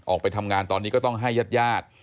ออกไปทำงานตอนนี้ก็ต้องให้ญาติญาติ